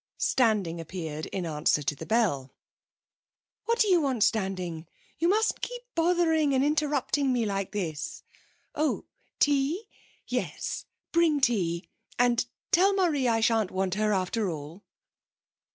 Standing appeared in answer to the bell. 'What do you want, Standing? You mustn't keep bothering and interrupting me like this. Oh, tea? Yes, bring tea. And tell Marie I shan't want her after all.'